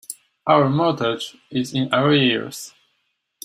Our mortgage is in arrears.